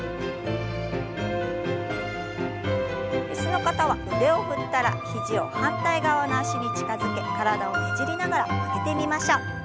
椅子の方は腕を振ったら肘を反対側の脚に近づけ体をねじりながら曲げてみましょう。